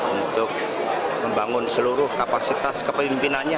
untuk membangun seluruh kapasitas kepemimpinannya